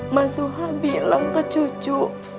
mas suha bilang ke cucu